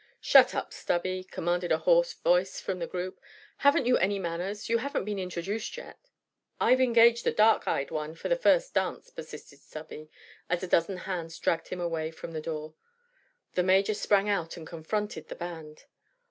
"Shut up, Stubby," commanded a hoarse voice from the group. "Haven't you any manners? You haven't been introduced yet." "I've engaged the dark eyed one for the first dance," persisted Stubby, as a dozen hands dragged him away from the door. The Major sprang out and confronted the band.